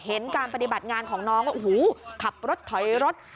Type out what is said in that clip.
การปฏิบัติงานของน้องว่าโอ้โหขับรถถอยรถ